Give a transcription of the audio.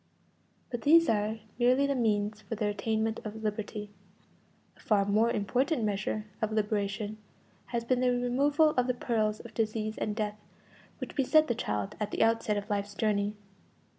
But these are merely means for the attainment of liberty. A far more important measure of liberation has been the removal of the perils of disease and death which beset the child at the outset of life's journey.